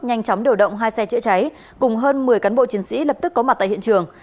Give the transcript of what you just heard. nhanh chóng điều động hai xe chữa cháy cùng hơn một mươi cán bộ chiến sĩ lập tức có mặt tại hiện trường